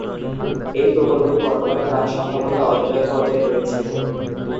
এই প্রকল্পটি বর্তমানে প্রাক-সম্ভাব্যতা অধ্যয়ন পর্যায়ে রয়েছে।